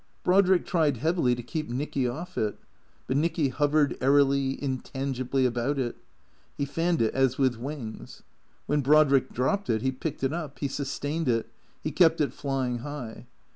Brodrick tried heavily to keep Nicky off it. But Nicky hovered airily, intangibly about it. He fanned it as with wings ; when Brodrick dropped it he picked it up, he sustained it, he kept it flying high.